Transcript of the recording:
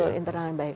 ya internal yang baik